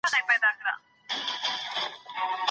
ميرمن د خاوند د اجازې پرته نفلي روژه نيولای سي؟